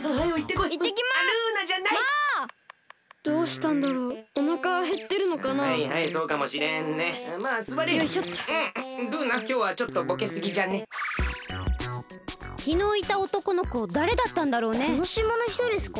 このしまのひとですか？